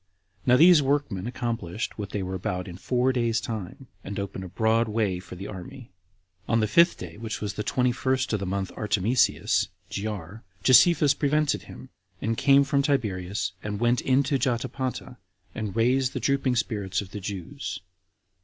Now these workmen accomplished what they were about in four days' time, and opened a broad way for the army. On the fifth day, which was the twenty first of the month Artemisius, [Jyar,] Josephus prevented him, and came from Tiberias, and went into Jotapata, and raised the drooping spirits of the Jews.